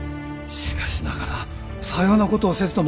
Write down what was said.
しかしながらさようなことをせずとも。